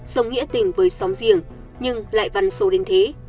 tiếc tình với xóm riêng nhưng lại văn sâu đến thế